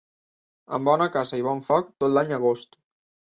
Amb bona casa i bon foc, tot l'any agost.